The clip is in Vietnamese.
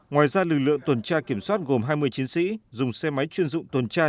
ngoài ra lực lượng tuần tra kiểm soát gồm hai mươi chiến sĩ dùng xe máy chuyên dụng tuần tra